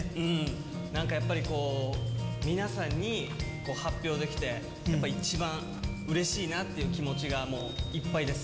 なんかやっぱりこう、皆さんに発表できて、やっぱり一番うれしいなっていう気持ちがもういっぱいです。